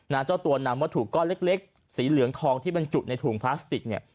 เจ้าตัวนำวัตถุก้อนเล็กเล็กสีเหลืองทองที่บรรจุในถุงพลาสติกเนี่ย